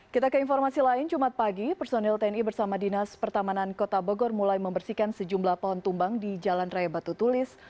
kita ke informasi lain jumat pagi personil tni bersama dinas pertamanan kota bogor mulai membersihkan sejumlah pohon tumbang di jalan raya batu tulis